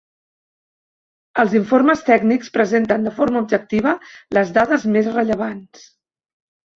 Els informes tècnics presenten de forma objectiva les dades més rellevants.